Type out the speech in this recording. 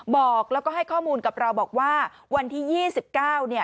บอกแล้วก็ให้ข้อมูลกับเราบอกว่าวันที่๒๙เนี่ย